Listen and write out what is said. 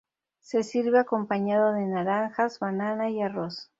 Se sirve acompañado de naranjas, banana y arroz.